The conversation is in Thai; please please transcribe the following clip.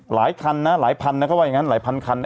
หลายคันนะหลายพันนะเขาว่าอย่างนั้นหลายพันคัน